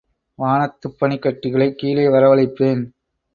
வானத்துப் பனிக்கட்டிகளை கீழே வரவழைப்பேன்.